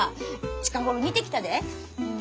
近頃似てきたで。